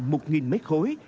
một mét khối